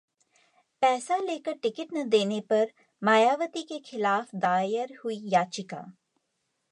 पैसा लेकर टिकट न देने पर मायावती के खिलाफ दायर हुई याचिका